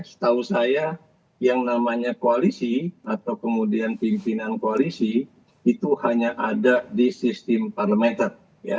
setahu saya yang namanya koalisi atau kemudian pimpinan koalisi itu hanya ada di sistem parlementer